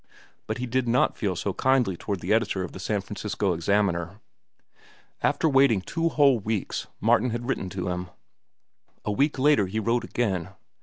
But he did not feel so kindly toward the editor of the San Francisco Examiner. After waiting two whole weeks, Martin had written to him. A week later he wrote again.